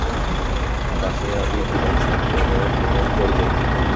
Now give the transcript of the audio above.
তাঁকে আমি বিরাট সম্প্রদায়ের প্রধান করব।